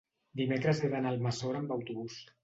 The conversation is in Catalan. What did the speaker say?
Dimecres he d'anar a Almassora amb autobús.